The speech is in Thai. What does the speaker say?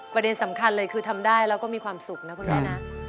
ประเด็นสำคัญเลยคือทำได้แล้วก็มีความสุขนะคุณแม่นะ